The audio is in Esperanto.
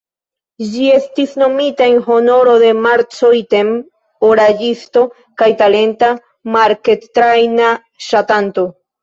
Ĝi estis nomita en honoro de "Marco Iten", oraĵisto kaj talenta makettrajna ŝatanto,